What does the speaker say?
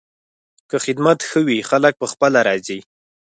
که خدمت ښه وي، خلک پخپله راځي.